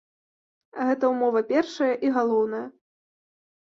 Гэта ўмова першая і галоўная.